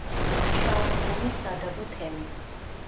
შაუმიანის სადაბო თემი.